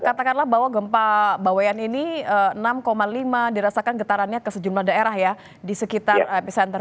katakanlah bahwa gempa bawean ini enam lima dirasakan getarannya ke sejumlah daerah ya di sekitar pesantren